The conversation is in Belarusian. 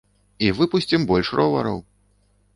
І выпусцім больш ровараў!